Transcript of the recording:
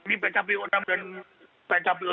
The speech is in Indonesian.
ini pkpu enam dan pkpu